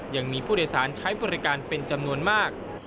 ยังมีผู้โดยสารใช้บริการเป็นจำนวนมาก